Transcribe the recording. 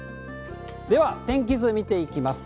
では、天気図見ていきます。